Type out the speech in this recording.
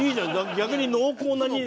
逆に濃厚な２年。